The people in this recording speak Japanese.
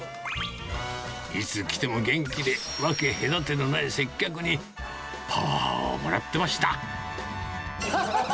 いつ来ても元気で、分け隔てのない接客に、パワーをもらってました。